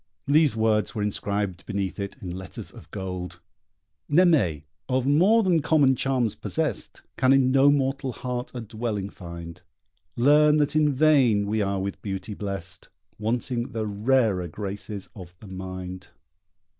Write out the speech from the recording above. These words were inscribed beneath it in letters of gold: Naimée, of more than common charms possest, Can in no mortal heart a dwelling find. Learn that in vain we are with beauty blest, Wanting the rarer graces of the mind.